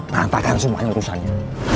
tantangkan semua urusannya